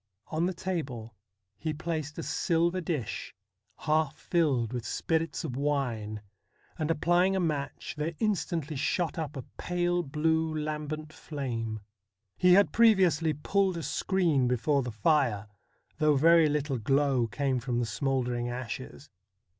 On the table he placed a silver dish half filled with spirits of wine, and applying a match, there instantly shot up a pale blue, lambent flame. He had previously pulled a screen before the fire, though very little glow came from the smouldering ashes.